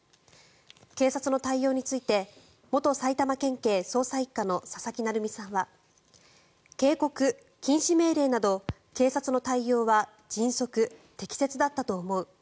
警察の対応について元埼玉県警捜査１課の佐々木成三さんは警告、禁止命令など警察の対応は迅速・適切だったと思う